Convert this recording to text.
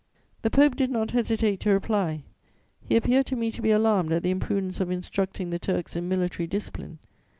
"The Pope did not hesitate to reply; he appeared to me to be alarmed at the imprudence of instructing the Turks in military discipline.